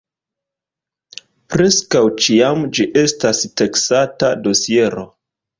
Preskaŭ ĉiam ĝi estas teksta dosiero.